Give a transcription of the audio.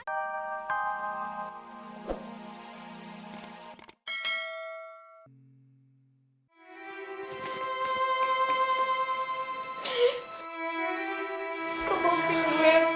kau mau pilih aku